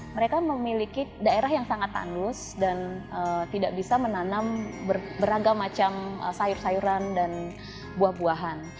mereka memiliki daerah yang sangat tandus dan tidak bisa menanam beragam macam sayur sayuran dan buah buahan